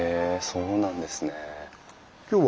そうなんです。